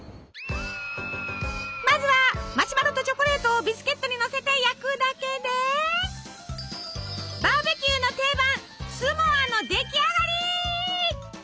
まずはマシュマロとチョコレートをビスケットにのせて焼くだけでバーベキューの定番スモアの出来上がり！